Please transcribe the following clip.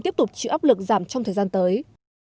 tiếp tục chịu áp lực giảm trong thời gian tới